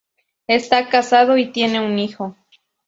Está casado y tiene un hijo.